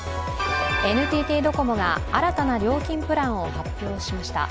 ＮＴＴドコモが新たな料金プランを発表しました。